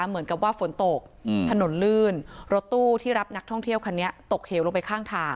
เหมือนกับว่าฝนตกถนนลื่นรถตู้ที่รับนักท่องเที่ยวคันนี้ตกเหวลงไปข้างทาง